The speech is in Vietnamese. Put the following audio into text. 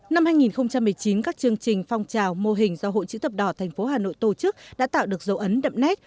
năm hai nghìn một mươi chín các chương trình phong trào mô hình do hội chữ thập đỏ tp hà nội tổ chức đã tạo được dấu ấn đậm nét